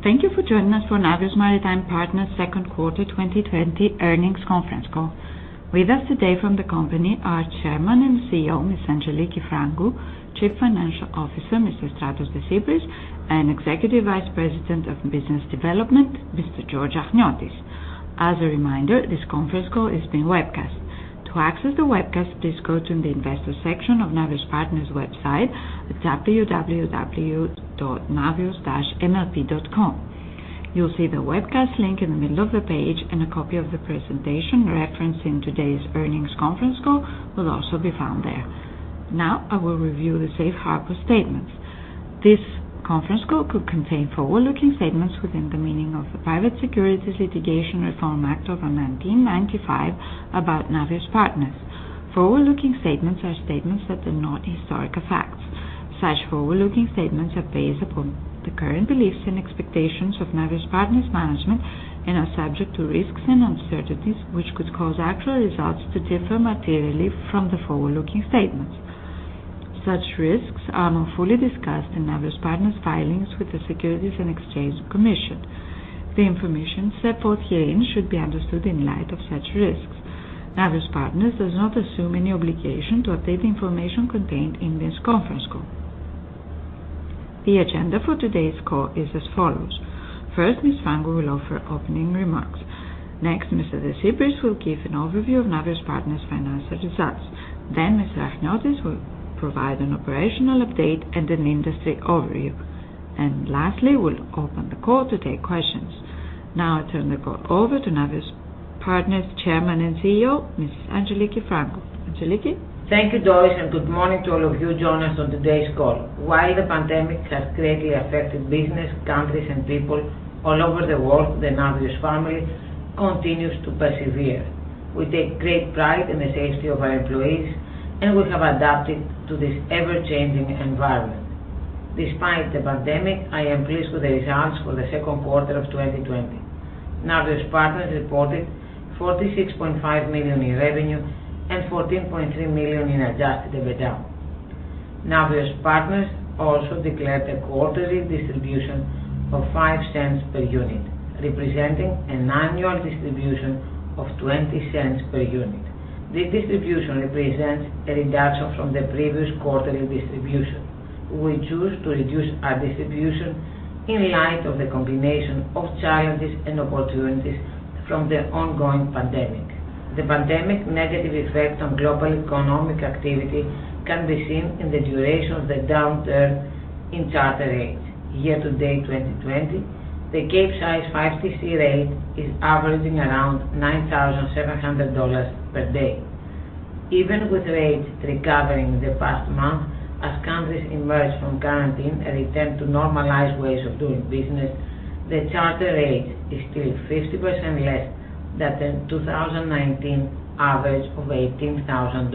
Thank you for joining us for Navios Maritime Partners' second quarter 2020 earnings conference call. With us today from the company are Chairman and CEO, Mrs. Angeliki Frangou, Chief Financial Officer, Mr. Stratos Desypris, and Executive Vice President of Business Development, Mr. George Achniotis. As a reminder, this conference call is being webcast. To access the webcast, please go to the investor section of Navios Partners' website at www.navios-mlp.com. You'll see the webcast link in the middle of the page, and a copy of the presentation referenced in today's earnings conference call will also be found there. Now, I will review the safe harbor statements. This conference call could contain forward-looking statements within the meaning of the Private Securities Litigation Reform Act of 1995 about Navios Partners. Forward-looking statements are statements that are not historical facts. Such forward-looking statements are based upon the current beliefs and expectations of Navios Partners' management and are subject to risks and uncertainties which could cause actual results to differ materially from the forward-looking statements. Such risks are more fully discussed in Navios Partners' filings with the Securities and Exchange Commission. The information set forth herein should be understood in light of such risks. Navios Partners does not assume any obligation to update the information contained in this conference call. The agenda for today's call is as follows. First, Ms. Frangou will offer opening remarks. Next, Mr. Desypris will give an overview of Navios Partners' financial results. Mr. Achniotis will provide an operational update and an industry overview. Lastly, we'll open the call to take questions. Now I turn the call over to Navios Partners Chairman and CEO, Mrs. Angeliki Frangou. Angeliki? Thank you, Doris, and good morning to all of you joining us on today's call. While the pandemic has greatly affected business, countries, and people all over the world, the Navios family continues to persevere. We take great pride in the safety of our employees, and we have adapted to this ever-changing environment. Despite the pandemic, I am pleased with the results for the second quarter of 2020. Navios Partners reported $46.5 million in revenue and $14.3 million in adjusted EBITDA. Navios Partners also declared a quarterly distribution of $0.05 per unit, representing an annual distribution of $0.20 per unit. This distribution represents a reduction from the previous quarterly distribution. We choose to reduce our distribution in light of the combination of challenges and opportunities from the ongoing pandemic. The pandemic negative effect on global economic activity can be seen in the duration of the downturn in charter rates. Year-to-date 2020, the Capesize 5TC rate is averaging around $9,700 per day. Even with rates recovering in the past month, as countries emerge from quarantine and return to normalized ways of doing business, the charter rate is still 50% less than the 2019 average of $18,000.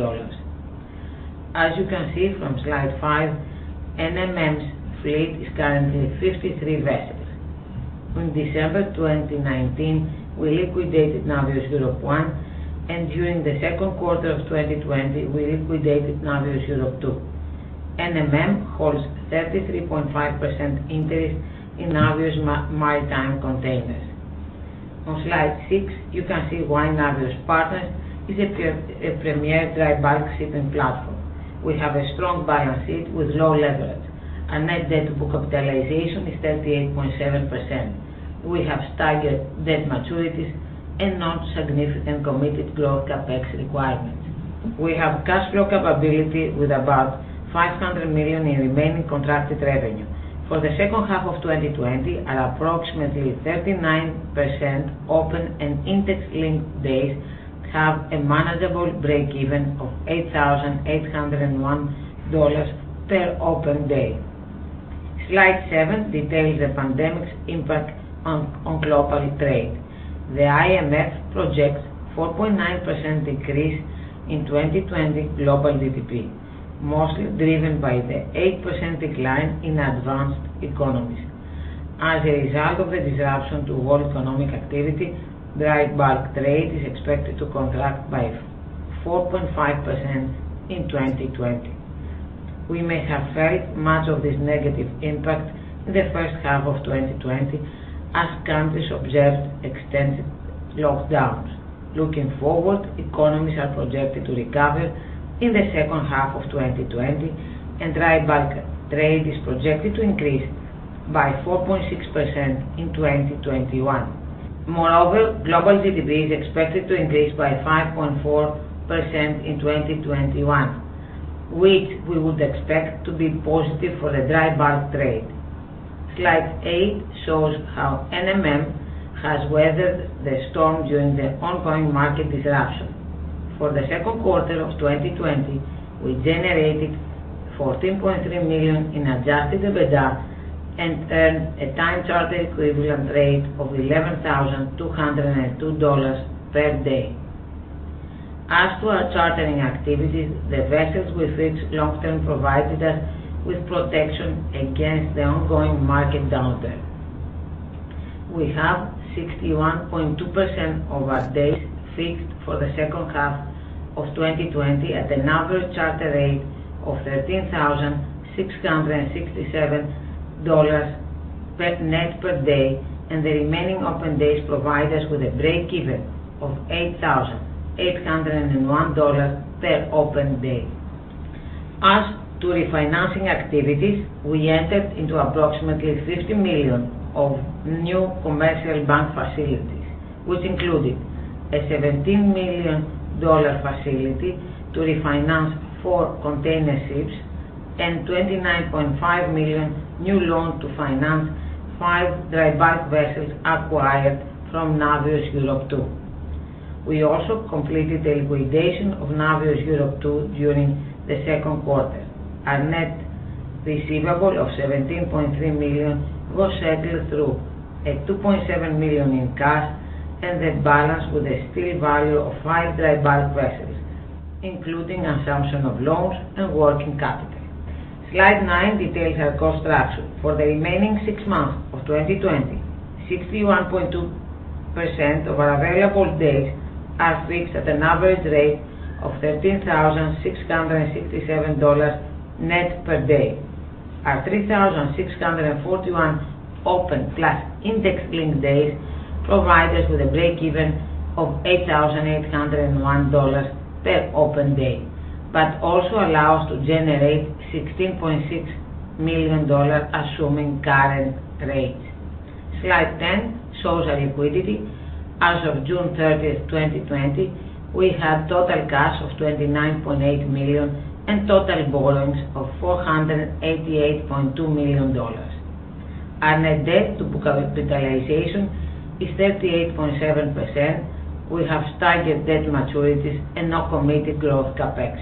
As you can see from slide five, NMM's fleet is currently 53 vessels. In December 2019, we liquidated Navios Europe I, and during the second quarter of 2020, we liquidated Navios Europe II. NMM holds 33.5% interest in Navios Maritime Containers. On slide six, you can see why Navios Partners is a premier dry bulk shipping platform. We have a strong balance sheet with low leverage. Our net debt to capitalization is 38.7%. We have staggered debt maturities and non-significant committed growth CapEx requirements. We have cash flow capability with about $500 million in remaining contracted revenue. For the second half of 2020, our approximately 39% open and index-linked days have a manageable break-even of $8,801 per open day. Slide seven details the pandemic's impact on global trade. The IMF projects 4.9% decrease in 2020 global GDP, mostly driven by the 8% decline in advanced economies. As a result of the disruption to world economic activity, dry bulk trade is expected to contract by 4.5% in 2020. We may have felt much of this negative impact in the first half of 2020 as countries observed extended lockdowns. Looking forward, economies are projected to recover in the second half of 2020, and dry bulk trade is projected to increase by 4.6% in 2021. Moreover, global GDP is expected to increase by 5.4% in 2021, which we would expect to be positive for the dry bulk trade. Slide eight shows how NMM has weathered the storm during the ongoing market disruption. For the second quarter of 2020, we generated $14.3 million in adjusted EBITDA and earned a time charter equivalent rate of $11,202 per day. As to our chartering activities, the vessels we fixed long term provided us with protection against the ongoing market downturn. We have 61.2% of our days fixed for the second half of 2020 at an average charter rate of $13,667 net per day, and the remaining open days provide us with a breakeven of $8,801 per open day. As to refinancing activities, we entered into approximately $50 million of new commercial bank facilities, which included a $17 million facility to refinance four container ships and $29.5 million new loan to finance five dry bulk vessels acquired from Navios Europe II. We also completed the liquidation of Navios Europe II during the second quarter. Our net receivable of $17.3 million was settled through a $2.7 million in cash, and the balance with a steel value of five dry bulk vessels, including assumption of loans and working capital. Slide nine details our cost structure. For the remaining six months of 2020, 61.2% of our available days are fixed at an average rate of $13,667 net per day. Our 3,641 open plus index link days provide us with a breakeven of $8,801 per open day, but also allow us to generate $16.6 million, assuming current rates. Slide 10 shows our liquidity. As of June 30th, 2020, we have total cash of $29.8 million and total borrowings of $488.2 million. Our net debt to book capitalization is 38.7%. We have staggered debt maturities and no committed growth CapEx.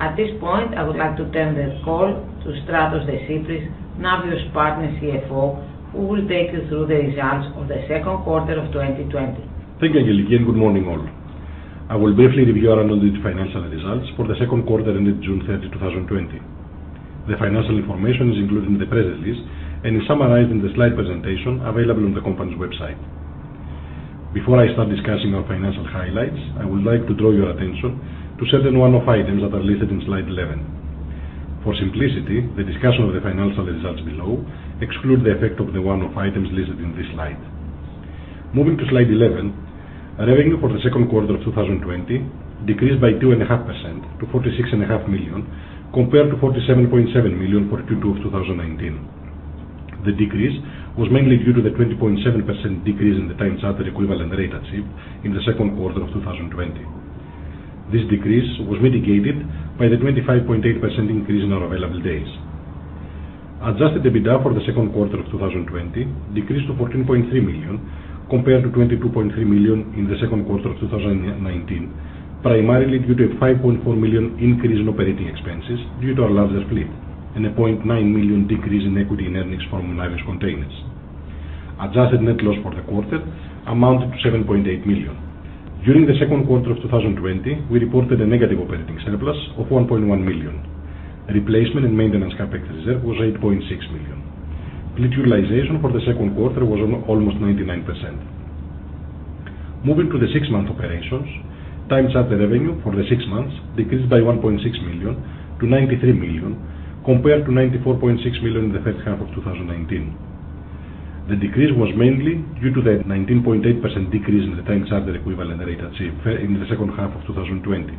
At this point, I would like to turn the call to Stratos Desypris, Navios Partners CFO, who will take you through the results of the second quarter of 2020. Thank you, Angeliki, good morning, all. I will briefly review our unaudited financial results for the second quarter ended June 30, 2020. The financial information is included in the press release and is summarized in the slide presentation available on the company's website. Before I start discussing our financial highlights, I would like to draw your attention to certain one-off items that are listed in slide 11. For simplicity, the discussion of the financial results below exclude the effect of the one-off items listed in this slide. Moving to slide 11, revenue for the second quarter of 2020 decreased by 2.5% to $46.5 million, compared to $47.7 million for Q2 of 2019. The decrease was mainly due to the 20.7% decrease in the time charter equivalent rate achieved in the second quarter of 2020. This decrease was mitigated by the 25.8% increase in our available days. Adjusted EBITDA for the second quarter of 2020 decreased to $14.3 million compared to $22.3 million in the second quarter of 2019, primarily due to a $5.4 million increase in operating expenses due to our larger fleet and a $0.9 million decrease in equity in earnings from Navios Containers. Adjusted net loss for the quarter amounted to $7.8 million. During the second quarter of 2020, we reported a negative operating surplus of $1.1 million. Replacement and maintenance CapEx reserve was $8.6 million. Fleet utilization for the second quarter was almost 99%. Moving to the six-month operations, time charter revenue for the six months decreased by $1.6 million to $93 million compared to $94.6 million in the first half of 2019. The decrease was mainly due to the 19.8% decrease in the time charter equivalent rate achieved in the second half of 2020.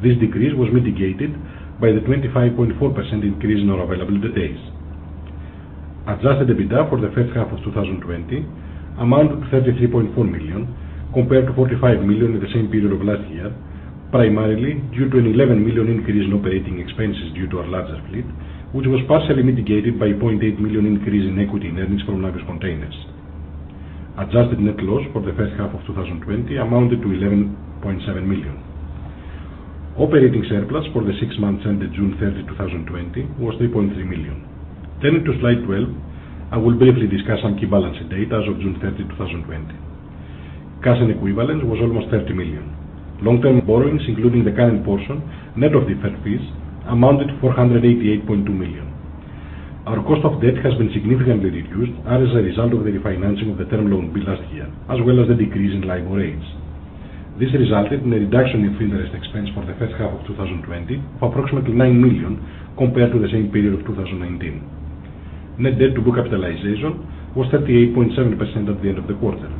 This decrease was mitigated by the 25.4% increase in our available days. Adjusted EBITDA for the first half of 2020 amounted to $33.4 million compared to $45 million in the same period of last year, primarily due to an $11 million increase in operating expenses due to our larger fleet, which was partially mitigated by a $0.8 million increase in equity in earnings from Navios Containers. Adjusted net loss for the first half of 2020 amounted to $11.7 million. Operating surplus for the six months ended June 30, 2020, was $3.3 million. Turning to slide 12, I will briefly discuss some key balance data as of June 30, 2020. Cash and equivalents was almost $30 million. Long-term borrowings, including the current portion, net of deferred fees, amounted to $488.2 million. Our cost of debt has been significantly reduced as a result of the refinancing of the Term Loan B last year, as well as the decrease in LIBOR rates. This resulted in a reduction in interest expense for the first half of 2020 of approximately $9 million compared to the same period of 2019. Net debt to book capitalization was 38.7% at the end of the quarter.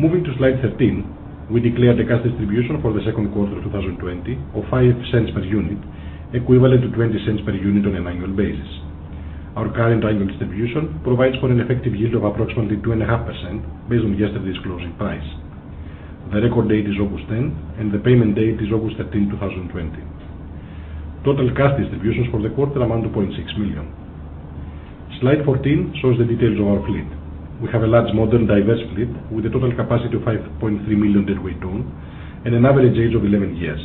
Moving to slide 13, we declared a cash distribution for the second quarter of 2020 of $0.05 per unit, equivalent to $0.20 per unit on an annual basis. Our current annual distribution provides for an effective yield of approximately 2.5% based on yesterday's closing price. The record date is August 10, and the payment date is August 13, 2020. Total cash distributions for the quarter amount to $0.6 million. Slide 14 shows the details of our fleet. We have a large, modern, diverse fleet with a total capacity of 5.3 million deadweight ton and an average age of 11 years.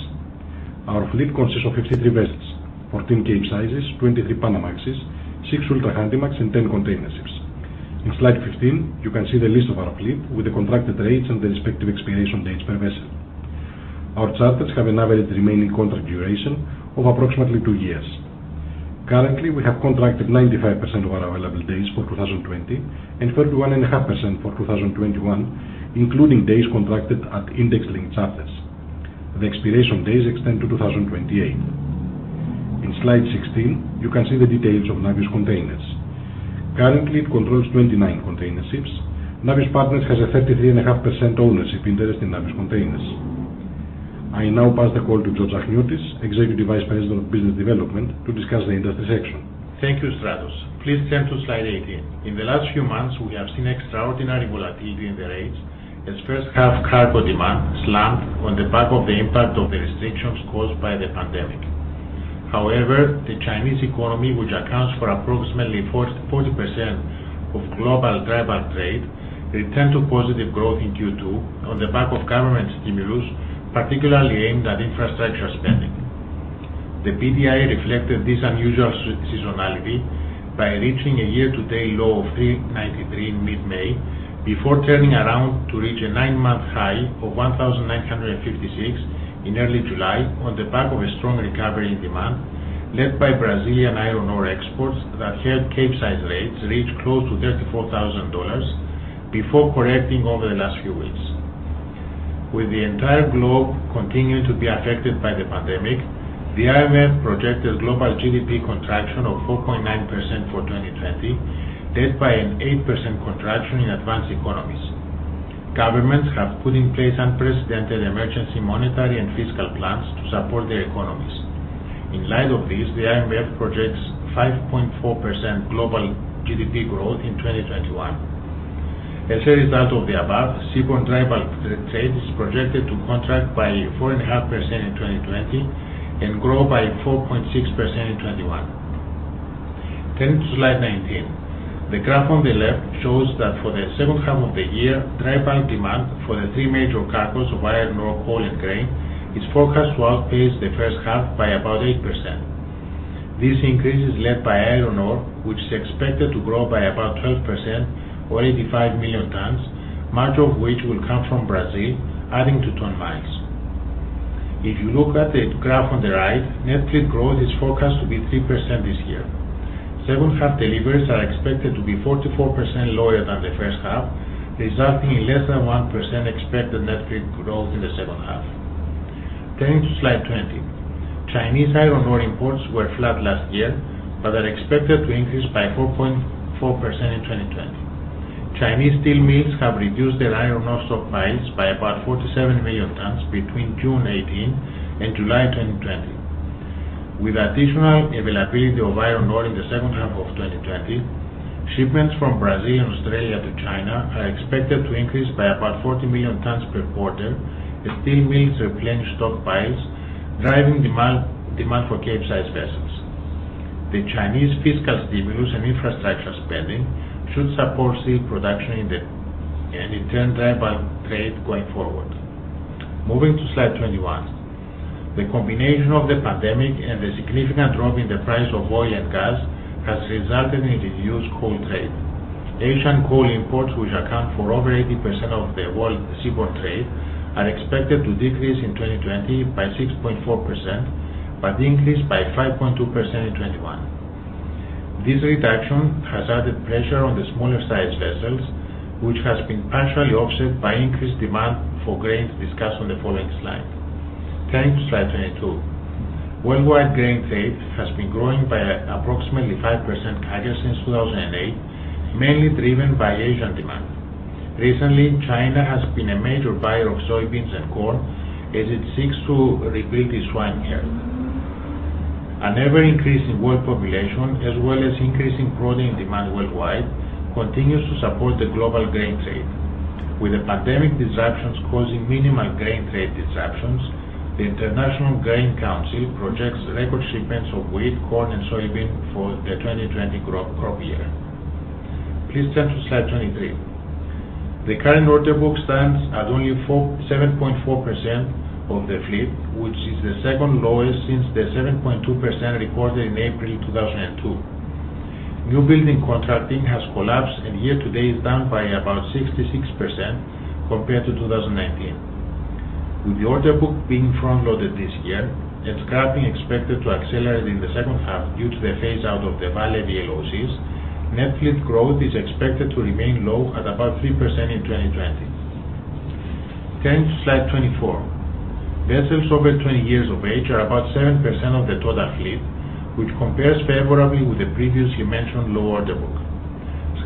Our fleet consists of 53 vessels, 14 Capesizes, 23 Panamax, 6 ultra-Handymax, and 10 container ships. In slide 15, you can see the list of our fleet with the contracted rates and the respective expiration dates per vessel. Our charters have an average remaining contract duration of approximately two years. Currently, we have contracted 95% of our available days for 2020 and 31.5% for 2021, including days contracted at index-linked charters. The expiration days extend to 2028. In slide 16, you can see the details of Navios Containers. Currently, it controls 29 container ships. Navios Partners has a 33.5% ownership interest in Navios Containers. I now pass the call to George Achniotis, Executive Vice President of Business Development, to discuss the industry section. Thank you, Stratos. Please turn to slide 18. In the last few months, we have seen extraordinary volatility in the rates as first half cargo demand slumped on the back of the impact of the restrictions caused by the pandemic. However, the Chinese economy, which accounts for approximately 40% of global dry bulk trade, returned to positive growth in Q2 on the back of government stimulus, particularly aimed at infrastructure spending. The BDI reflected this unusual seasonality by reaching a year-to-date low of 393 in mid-May, before turning around to reach a nine-month high of 1,956 in early July on the back of a strong recovery in demand led by Brazilian iron ore exports that helped Capesize rates reach close to $34,000 before correcting over the last few weeks. With the entire globe continuing to be affected by the pandemic, the IMF projected global GDP contraction of 4.9% for 2020, led by an 8% contraction in advanced economies. Governments have put in place unprecedented emergency monetary and fiscal plans to support their economies. In light of this, the IMF projects 5.4% global GDP growth in 2021. As a result of the above, seaborne dry bulk trade is projected to contract by 4.5% in 2020 and grow by 4.6% in 2021. Turning to slide 19. The graph on the left shows that for the second half of the year, dry bulk demand for the three major cargoes of iron ore, coal, and grain is forecast to outpace the first half by about 8%. This increase is led by iron ore, which is expected to grow by about 12%, or 85 million tons, much of which will come from Brazil, adding to ton miles. If you look at the graph on the right, net fleet growth is forecast to be 3% this year. Second half deliveries are expected to be 44% lower than the first half, resulting in less than 1% expected net fleet growth in the second half. Turning to slide 20. Chinese iron ore imports were flat last year, but are expected to increase by 4.4% in 2020. Chinese steel mills have reduced their iron ore stockpiles by about 47 million tons between June 2018 and July 2020. With additional availability of iron ore in the second half of 2020, shipments from Brazil and Australia to China are expected to increase by about 40 million tons per quarter as steel mills replenish stockpiles, driving demand for Capesize vessels. The Chinese fiscal stimulus and infrastructure spending should support steel production and in turn, dry bulk trade going forward. Moving to slide 21. The combination of the pandemic and the significant drop in the price of oil and gas has resulted in reduced coal trade. Asian coal imports, which account for over 80% of the world seaborne trade, are expected to decrease in 2020 by 6.4%, but increase by 5.2% in 2021. This reduction has added pressure on the smaller-sized vessels, which has been partially offset by increased demand for grain, discussed on the following slide. Turning to slide 22. Worldwide grain trade has been growing by approximately 5% annually since 2008, mainly driven by Asian demand. Recently, China has been a major buyer of soybeans and corn as it seeks to rebuild its swine herd. An ever-increasing world population, as well as increasing protein demand worldwide, continues to support the global grain trade. With the pandemic disruptions causing minimal grain trade disruptions, the International Grains Council projects record shipments of wheat, corn, and soybean for the 2020 crop year. Please turn to slide 23. The current order book stands at only 7.4% of the fleet, which is the second lowest since the 7.2% recorded in April 2002. New building contracting has collapsed, year-to-date is down by about 66% compared to 2019. With the order book being front-loaded this year and scrapping expected to accelerate in the second half due to the phase-out of the Vale VLOCs, net fleet growth is expected to remain low at about 3% in 2020. Turning to slide 24. Vessels over 20 years of age are about 7% of the total fleet, which compares favorably with the previously mentioned low order book.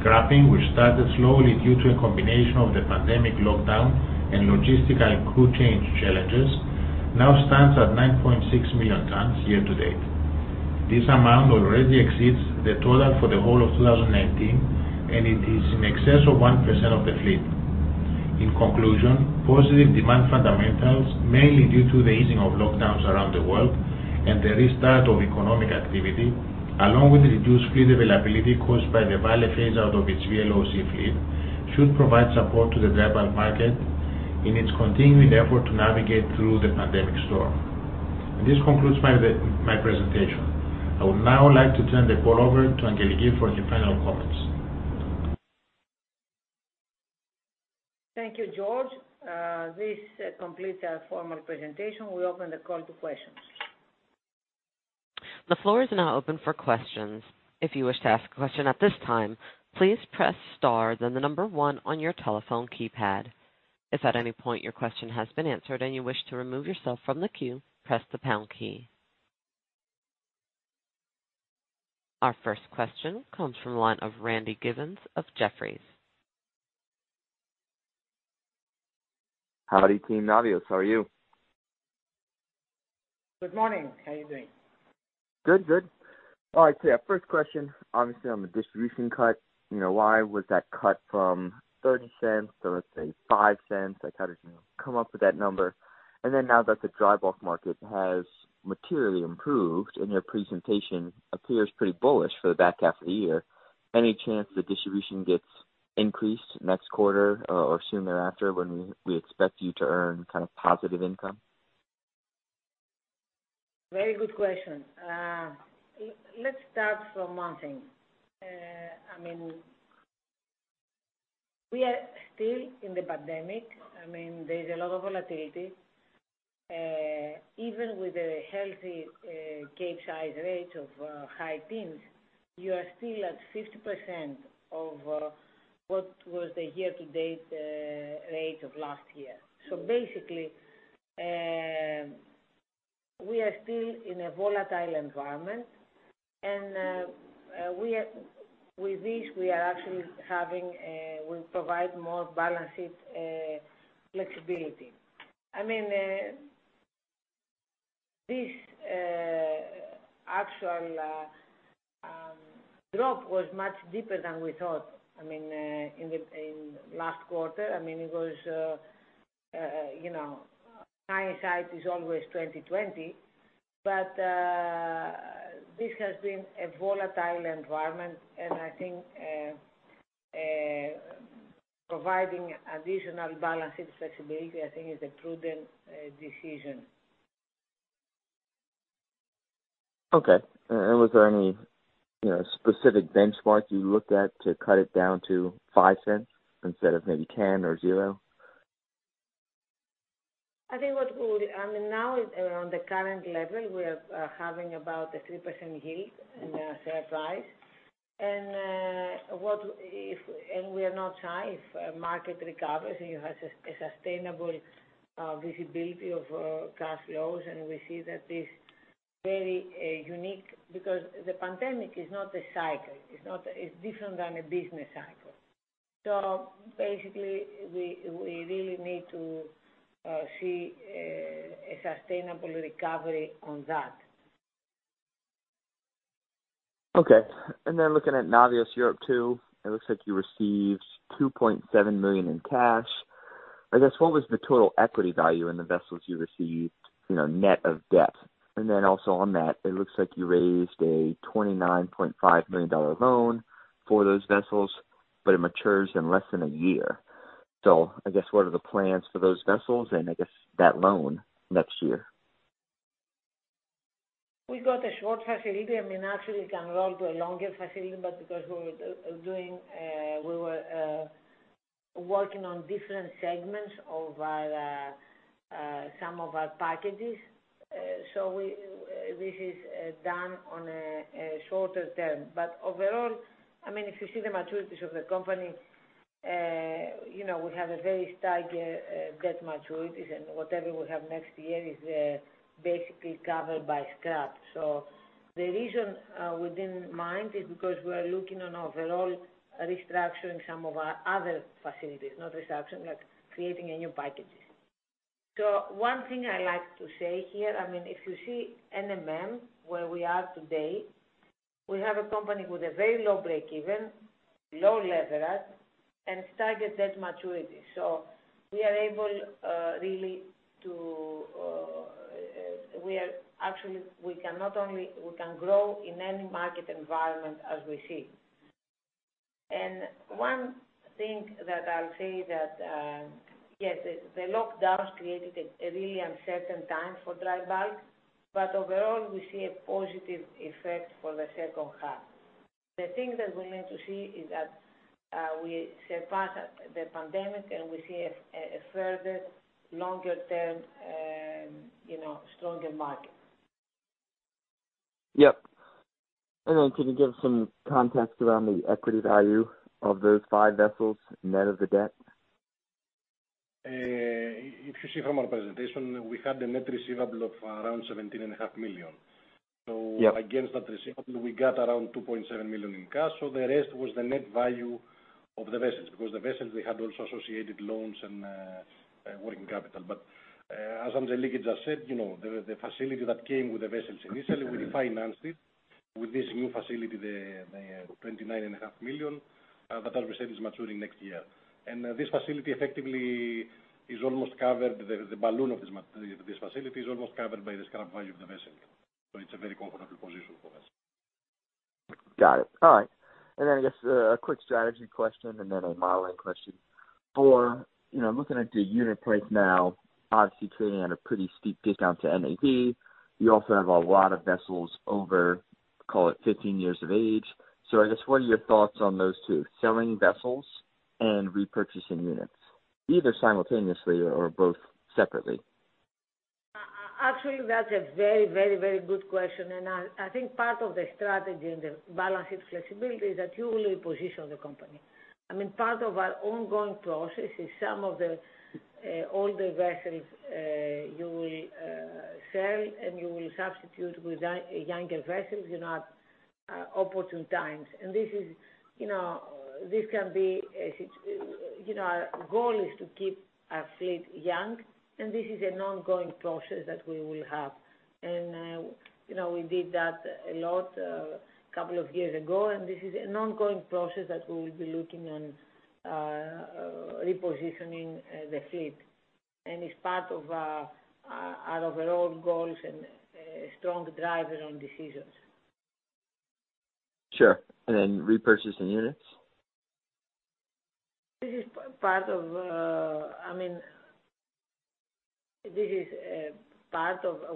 Scrapping, which started slowly due to a combination of the pandemic lockdown and logistical and crew change challenges, now stands at 9.6 million tons year-to-date. This amount already exceeds the total for the whole of 2019, and it is in excess of 1% of the fleet. In conclusion, positive demand fundamentals, mainly due to the easing of lockdowns around the world and the restart of economic activity, along with reduced fleet availability caused by the Vale phase-out of its VLOC fleet, should provide support to the dry bulk market in its continuing effort to navigate through the pandemic storm. This concludes my presentation. I would now like to turn the call over to Angeliki for any final comments. Thank you, George. This completes our formal presentation. We open the call to questions. The floor is now open for questions. If you wish to ask a question at this time, please press star then the number one on your telephone keypad. If at any point your question has been answered and you wish to remove yourself from the queue, press the pound key. Our first question comes from the line of Randy Giveans of Jefferies. Howdy, team Navios. How are you? Good morning. How are you doing? Good. All right. Yeah, first question, obviously on the distribution cut, why was that cut from $0.30 to, let's say, $0.05? How did you come up with that number? Now that the dry bulk market has materially improved and your presentation appears pretty bullish for the back half of the year, any chance the distribution gets increased next quarter or soon thereafter when we expect you to earn positive income? Very good question. Let's start from one thing. We are still in the pandemic. There's a lot of volatility. Even with a healthy Capesize rate of high teens, you are still at 50% of what was the year-to-date rate of last year. Basically, we are still in a volatile environment, and with this, we'll provide more balanced flexibility. This actual drop was much deeper than we thought. In last quarter, hindsight is always 2020, but this has been a volatile environment, and I think, providing additional balancing flexibility, I think, is a prudent decision. Okay. Was there any specific benchmarks you looked at to cut it down to $0.05 instead of maybe 10 or zero? Now on the current level, we are having about a 3% yield in our share price. We are not sure if market recovers, and you have a sustainable visibility of cash flows, and we see that this very unique because the pandemic is not a cycle. It's different than a business cycle. Basically, we really need to see a sustainable recovery on that. Okay. Looking at Navios Europe II, it looks like you received $2.7 million in cash. I guess, what was the total equity value in the vessels you received, net of debt? Also on that, it looks like you raised a $29.5 million loan for those vessels, but it matures in less than a year. I guess, what are the plans for those vessels and I guess that loan next year? We got a short facility. Actually we can roll to a longer facility, because we were working on different segments of some of our packages, this is done on a shorter term. Overall, if you see the maturities of the company, we have a very staggered debt maturities, and whatever we have next year is basically covered by scrap. The reason we didn't mind is because we are looking on overall restructuring some of our other facilities. Not restructuring, but creating new packages. One thing I like to say here, if you see NMM, where we are today, we have a company with a very low break-even, low leverage, and staggered debt maturity. We can grow in any market environment as we see. One thing that I'll say that, yes, the lockdowns created a really uncertain time for dry bulk, but overall, we see a positive effect for the second half. The thing that we need to see is that we surpass the pandemic and we see a further, longer-term, stronger market. Yep. Then can you give some context around the equity value of those five vessels net of the debt? If you see from our presentation, we had a net receivable of around $17.5 million. Yep. Against that receivable, we got around $2.7 million in cash. The rest was the net value of the vessels, because the vessels, they had also associated loans and working capital. As Angeliki just said, the facility that came with the vessels initially, we refinanced it with this new facility, the $29.5 million, that as we said, is maturing next year. This facility effectively is almost covered. The balloon of this facility is almost covered by the scrap value of the vessel. It's a very comfortable position for us. Got it. All right. I guess, a quick strategy question and then a modeling question. Looking at the unit price now, obviously trading at a pretty steep discount to NAV, you also have a lot of vessels over, Call it 15 years of age. I guess what are your thoughts on those two, selling vessels and repurchasing units, either simultaneously or both separately? Actually, that's a very good question, and I think part of the strategy and the balance sheet flexibility is that you will reposition the company. Part of our ongoing process is some of the older vessels you will sell, and you will substitute with younger vessels, at opportune times. Our goal is to keep our fleet young, and this is an ongoing process that we will have. We did that a lot a couple of years ago, and this is an ongoing process that we will be looking on repositioning the fleet, and it's part of our overall goals and a strong driver on decisions. Sure. Then repurchasing units? This is part of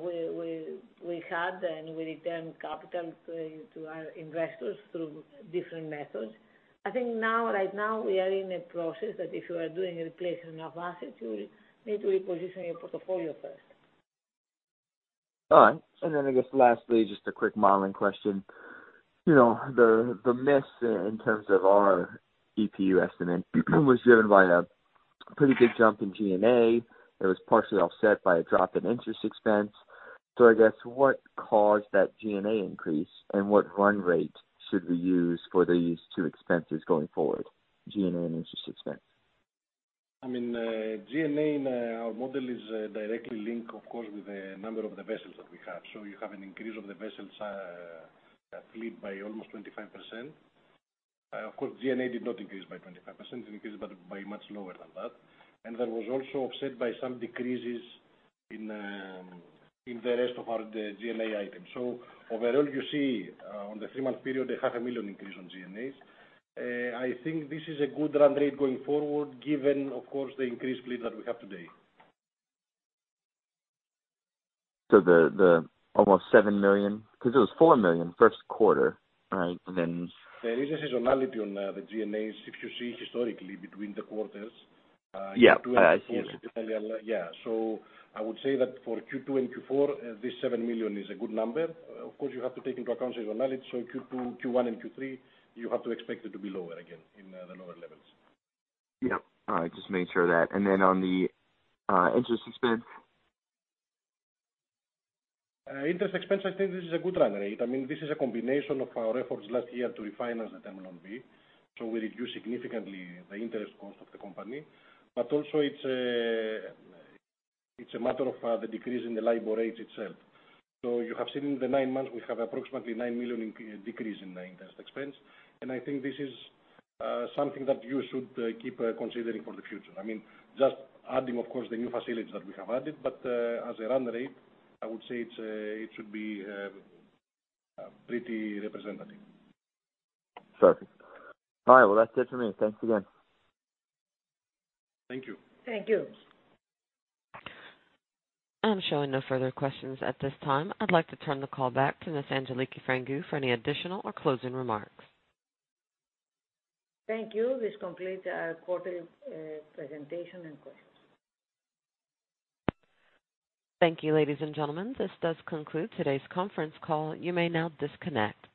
we had and we returned capital to our investors through different methods. I think right now we are in a process that if you are doing a replacement of assets, you will need to reposition your portfolio first. All right. I guess lastly, just a quick modeling question. The miss in terms of our EPU estimate was driven by a pretty big jump in G&A that was partially offset by a drop in interest expense. I guess what caused that G&A increase, and what run rate should we use for these two expenses going forward, G&A and interest expense? G&A in our model is directly linked, of course, with the number of the vessels that we have. You have an increase of the vessels fleet by almost 25%. Of course, G&A did not increase by 25%. It increased by much lower than that. That was also offset by some decreases in the rest of our G&A items. Overall, you see on the three-month period, a half a million increase on G&A. I think this is a good run rate going forward given, of course, the increased fleet that we have today. The almost $7 million, because it was $4 million first quarter, right? There is a seasonality on the G&As. If you see historically between the quarters- Yeah yeah. I would say that for Q2 and Q4, this $7 million is a good number. Of course, you have to take into account seasonality. Q2, Q1, and Q3, you have to expect it to be lower again in the lower levels. Yep. All right. Just making sure of that. Then on the interest expense? Interest expense, I think this is a good run rate. This is a combination of our efforts last year to refinance the Term Loan B. We reduced significantly the interest cost of the company. Also it's a matter of the decrease in the LIBOR rate itself. You have seen in the nine months, we have approximately $9 million decrease in interest expense, and I think this is something that you should keep considering for the future. Just adding, of course, the new facilities that we have added. As a run rate, I would say it should be pretty representative. Perfect. All right. Well, that's it for me. Thanks again. Thank you. Thank you. I'm showing no further questions at this time. I'd like to turn the call back to Ms. Angeliki Frangou for any additional or closing remarks. Thank you. This completes our quarterly presentation and questions. Thank you, ladies and gentlemen. This does conclude today's conference call. You may now disconnect.